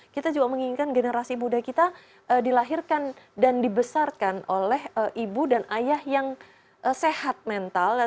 kita juga menginginkan generasi muda kita dilahirkan dan dibesarkan oleh ibu dan ayah yang sehat mental